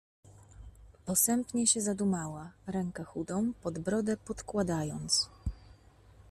"Posępnie się zadumała, rękę chudą pod brodę podkładając."